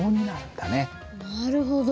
なるほど。